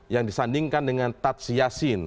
yang disandingkan dengan tatsi yasin